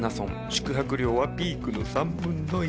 宿泊料はピークの３分の１。